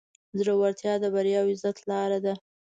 زړورتیا د بریا او عزت لاره ده.